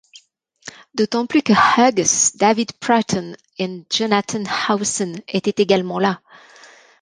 D'autant plus que Hughes, David Prutton et Jonathan Howson étaient également là.